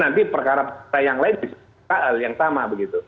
nanti perkara yang lain bisa terjadi yang sama begitu